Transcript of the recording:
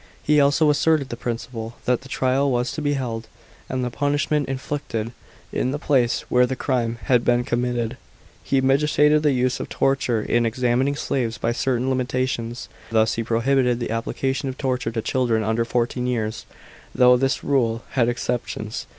He also asserted the principle, that the trial was to be held, and the punishment inflicted, in the place where the crime had been committed. He mitigated the use of torture in examining slaves by certain limitations. Thus he prohibited the application of torture to children under fourteen years, though this rule had exceptions.